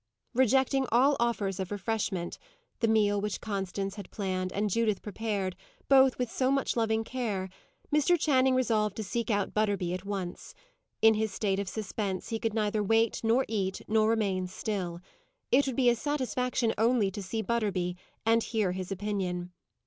Rejecting all offers of refreshment the meal which Constance had planned, and Judith prepared, both with so much loving care Mr. Channing resolved to seek out Butterby at once. In his state of suspense, he could neither wait, nor eat, nor remain still; it would be a satisfaction only to see Butterby, and hear his opinion.